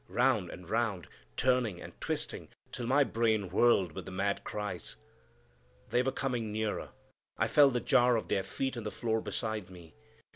Round and round, turning and twisting till my brain whirled with the mad cries. They were coming nearer. I felt the jar of their feet on the floor beside me.